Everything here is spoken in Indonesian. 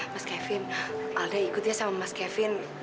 mas kevin alda ikut ya sama mas kevin